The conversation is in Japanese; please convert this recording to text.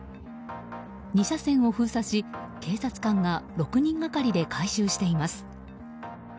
２車線を封鎖し、警察官が６人がかりで回収しています。